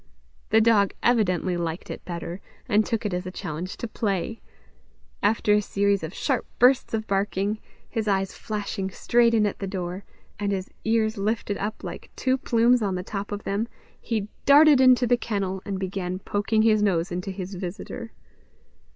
The dog evidently liked it better, and took it as a challenge to play: after a series of sharp bursts of barking, his eyes flashing straight in at the door, and his ears lifted up like two plumes on the top of them, he darted into the kennel, and began poking his nose into his visitor.